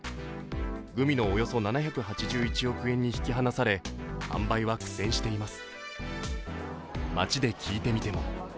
グミのおよそ７８１億円に引き離され販売は苦戦しています。